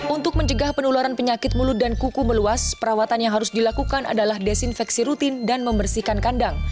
untuk mencegah penularan penyakit mulut dan kuku meluas perawatan yang harus dilakukan adalah desinfeksi rutin dan membersihkan kandang